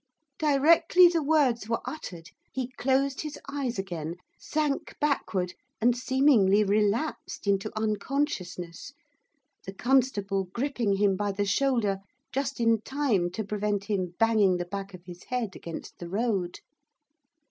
Directly the words were uttered, he closed his eyes again, sank backward, and seemingly relapsed into unconsciousness, the constable gripping him by the shoulder just in time to prevent him banging the back of his head against the road.